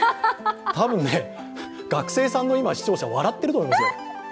多分ね、学生さんの今、視聴者、笑ってると思いますよ。